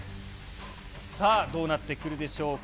さあ、どうなってくるでしょうか。